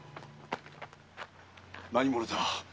何者だ？